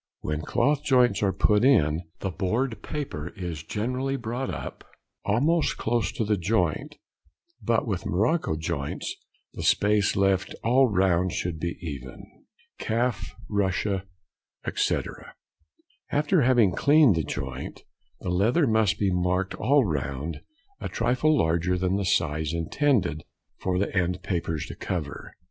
When cloth joints are put in, the board paper is generally brought up almost close to the joint; but with morocco joints, the space left all round should be even. Calf, Russia, etc.—After having cleaned the joint, the leather must be marked all round a trifle larger than the size intended for the end papers to cover.